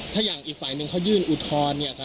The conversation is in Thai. ถ้าอย่างอีกฝ่ายหนึ่งเขายื่นอุทธรณ์